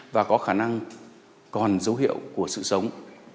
và có khả năng còn dấu hiệu của sự sống